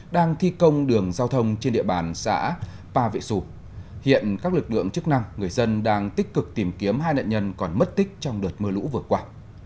đang thi công đường giao thông trên địa bàn xã pa vệ sủ hiện các lực lượng chức năng người dân đang tích cực tìm kiếm hai nạn nhân còn mất tích trong đợt mưa lũ vừa qua